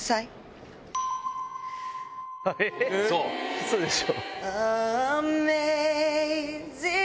ウソでしょ？